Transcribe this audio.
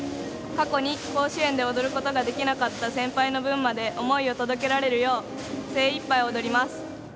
過去に甲子園で踊ることができなかった先輩の分まで思いを届けられるよう精いっぱい踊ります。